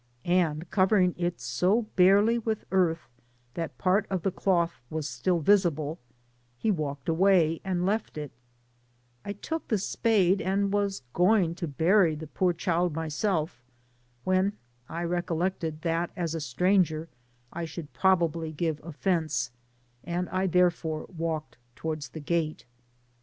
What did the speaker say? and covering it so barely with earth that part of the doth was still visible, he walked away and left it, I took the spade, and was going to bury the poor child myself, when I recollected that as a stranger I should probably give offence, and I therefore walked towards the gate.